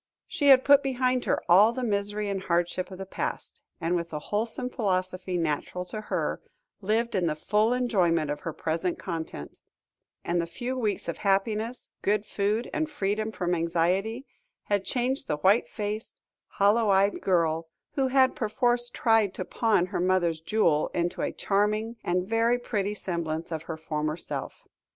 She had put behind her all the misery and hardship of the past, and, with the wholesome philosophy natural to her, lived in the full enjoyment of her present content; and the few weeks of happiness, good food, and freedom from anxiety, had changed the white faced, hollow eyed girl who had perforce tried to pawn her mother's jewel, into a charming, and very pretty semblance of her former self.